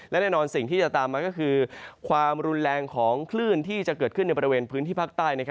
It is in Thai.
และแน่นอนสิ่งที่จะตามมาก็คือความรุนแรงของคลื่นที่จะเกิดขึ้นในบริเวณพื้นที่ภาคใต้